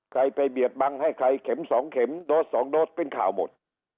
ใครไปเบียดบังให้ใครเข็ม๒เข็มโดส๒โดสเป็นข่าวหมด